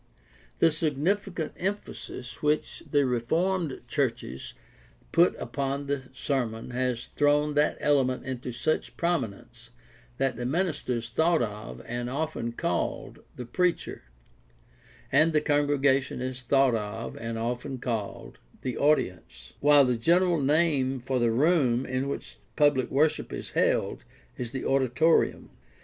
The significant emphasis which the reformed churches put upon the sermon has thrown that element into such prominence that the minister is thought of, and often called, the "preacher," and the congregation is thought of, and often called, the "audience," while the general name for the room in which public worship is held is the "auditorium."